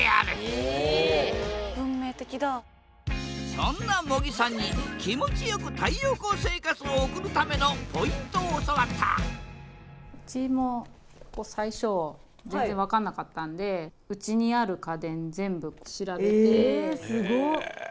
そんな茂木さんに気持ちよく太陽光生活を送るためのポイントを教わったうちも最初全然分かんなかったんでえすごっ。